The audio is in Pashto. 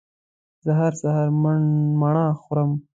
زه هر سهار مڼه خورم